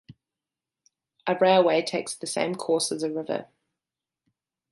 A railway takes the same course as the river.